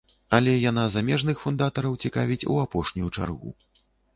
Але яна замежных фундатараў цікавіць у апошнюю чаргу.